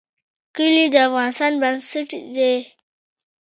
کلي د افغانستان بنسټ دی